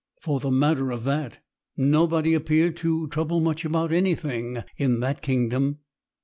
For the matter of that, nobody appeared to trouble much about anything in that kingdom.